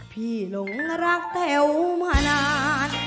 หลงรักแต๋วมานาน